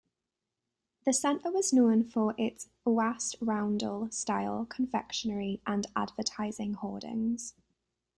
The centre was known for its Oast roundel style confectionery and advertising hoardings.